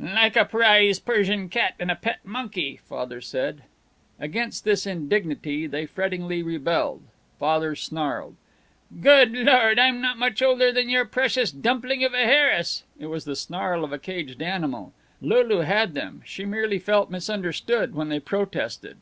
"Like a prize Persian cat and a pet monkey," Father said. Against this indignity they frettingly rebelled. Father snarled, "Good Lord! I'm not much older than your precious dumpling of a Harris." It was the snarl of a caged animal. Lulu had them; she merely felt misunderstood when they protested.